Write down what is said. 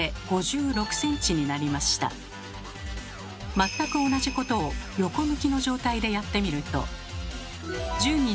全く同じことを横向きの状態でやってみると。